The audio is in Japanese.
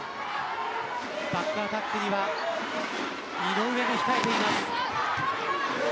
バックアタックには井上も控えています。